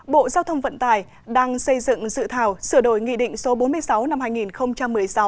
bộ giao thông vận tải đang xây dựng dự thảo sửa đổi nghị định số bốn mươi sáu năm hai nghìn một mươi sáu